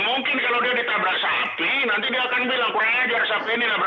mungkin kalau dia ditabrak sapi nanti dia akan bilang